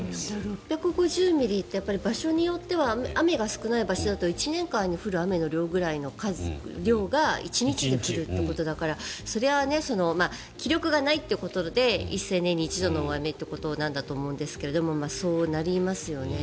６５０ミリって場所によっては雨が少ない場所だと１年間に降る雨の量が１日に降るということだからそりゃ記録がないということで１０００年に一度の大雨ということですけどそうなりますよね。